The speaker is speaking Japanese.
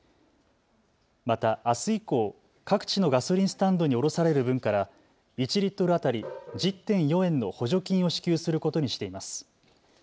またあす以降、各地のガソリンスタンドに卸される分から１リットル当たり１０．４円の補助金を支給することにしています。